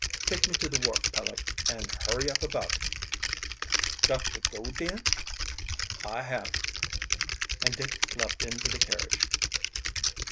"Take me to the wharf, Peleg, and hurry up about it." "Got to go, then?" "I have," and Dick leaped into the carriage.